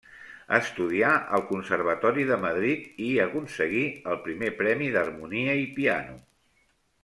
Estudià al Conservatori de Madrid, i hi aconseguí el primer premi d'harmonia i piano.